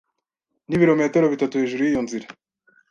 Nibirometero bitatu hejuru yiyo nzira.